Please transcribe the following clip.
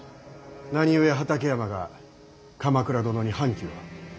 何故畠山が鎌倉殿に反旗を。